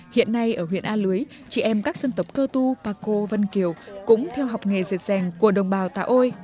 hiện nay ở huyện a lưới chị em các dân tộc cơ tu bà cô vân kiều cũng theo học nghề dệt dàng của đồng bào tà ôi